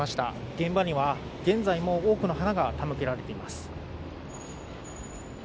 現場には現在も多くの花が手向けられています。